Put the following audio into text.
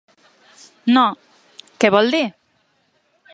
No, què vol dir?